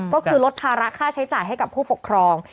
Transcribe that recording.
ก็คือลดภาระค่าใช้จ่ายให้กับผู้ปกครอง